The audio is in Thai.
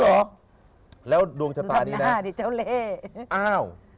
น่าร่วมหน้าะเจ้าเล่